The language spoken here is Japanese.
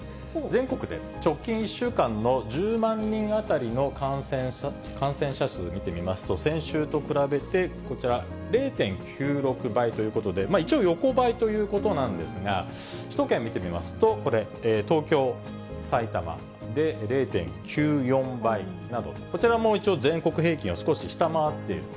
全国で直近１週間の１０万人当たりの感染者数、見てみますと、先週と比べてこちら、０．９６倍ということで、一応、横ばいということなんですが、首都圏を見てみますと、これ東京、埼玉で、０．９４倍など、こちらも一応、全国平均を少し下回っている。